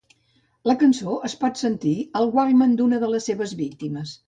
La cançó es pot sentir al walkman d'una de les seves víctimes.